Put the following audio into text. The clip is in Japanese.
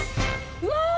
うわ！